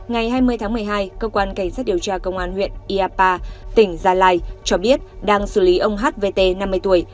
ngày hai mươi tháng một mươi hai cơ quan cảnh sát điều tra công an huyện iapa tỉnh gia lai cho biết đang xử lý ông hvt năm mươi tuổi